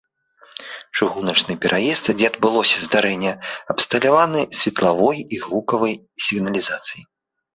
Чыгуначны пераезд, дзе адбылося здарэнне, абсталяваны светлавой і гукавой сігналізацыяй.